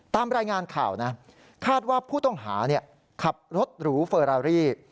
ตามรายงานข่าวนะคาดว่าผู้ต้องหาขับรถหรูเฟอรารี่